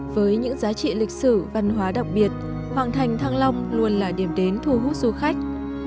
với những giá trị lịch sử văn hóa đặc biệt hoàng thành thăng long luôn là điểm đến thu hút du khách